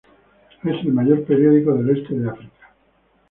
Es el mayor periódico del este de África.